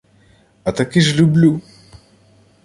— А таки ж люблю.